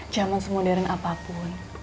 jaman modern apapun